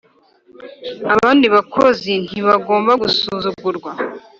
abandi bakozi ntibagomba gusuzugurwa